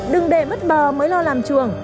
đừng để mất bò mới lo làm trường